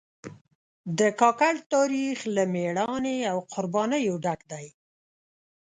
د کاکړ تاریخ له مېړانې او قربانیو ډک دی.